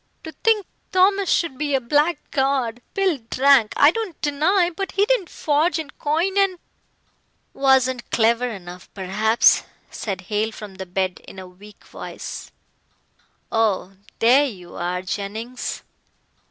To think Thomas should be a blackguard. Pill drank, I don't deny, but he didn't forge and coin, and " "Wasn't clever enough, perhaps," said Hale from the bed in a weak voice, "oh, there you are, Jennings.